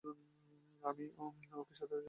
আমি ওকে সাতরাজ্যি খুঁজে বেড়াচ্ছি।